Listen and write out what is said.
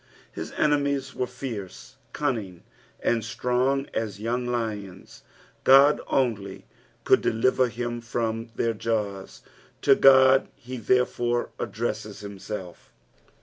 His enemies were licrcc, cunning, and strong aa young lions ; God only could deliver him from their jaws, to God he therefore addresaes himself.